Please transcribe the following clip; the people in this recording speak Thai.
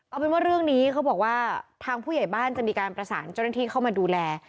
เอาเป็นว่าเรื่องนี้เขาบอกว่าทางผู้ใหญ่บ้านจะมีการประสานเจ้าหน้าที่เข้ามาดูแล